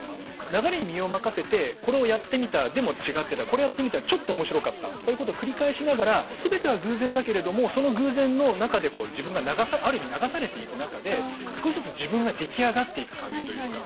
流れに身を任せてこれをやってみたでも違ってたこれやってみたらちょっと面白かったとかいうことを繰り返しながら全ては偶然だけれどもその偶然の中で自分がある意味流されていく中で少しずつ自分が出来上がっていく感じというか。